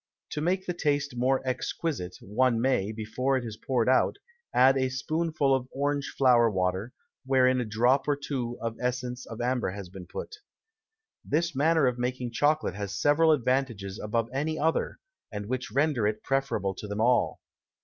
To make the Taste more exquisite, one may, before it is poured out, add a Spoonful of Orange Flower Water, wherein a Drop or two of Essence of Amber has been put. This Manner of making Chocolate has several Advantages above any other, and which render it preferable to them all.